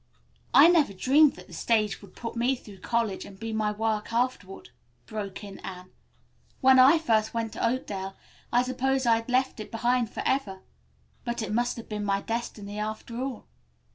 "I never dreamed that the stage would put me through college and be my work afterward," broke in Anne. "When first I went to Oakdale I supposed I had left it behind forever. But it must have been my destiny after all."